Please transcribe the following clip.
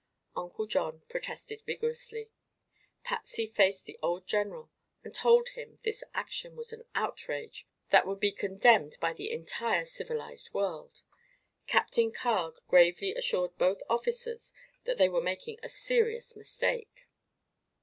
Uncle John protested vigorously; Patsy faced the old general and told him this action was an outrage that would be condemned by the entire civilized world; Captain Carg gravely assured both officers that they were making a serious mistake.